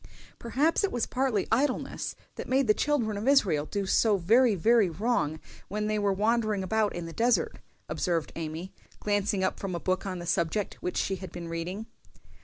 "Perhaps it was partly idleness that made the children of Israel do so very very wrong when they were wandering about in the desert," observed Amy, glancing up from a book on the subject which she had been reading.